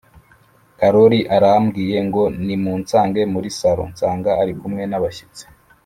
Karori arambwiye ngo nimusange murisaro nsanga arikumwe nabashyitsi